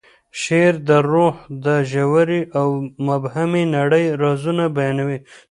شعر د روح د ژورې او مبهمې نړۍ رازونه بیانوي.